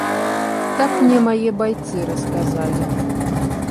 Так мне мае байцы расказалі.